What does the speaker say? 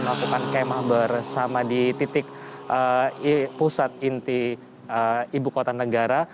melakukan kemah bersama di titik pusat inti ibu kota negara